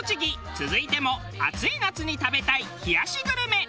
続いても暑い夏に食べたい冷やしグルメ。